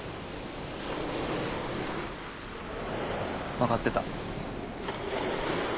分かってた。